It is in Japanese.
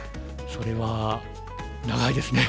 それは長いですね。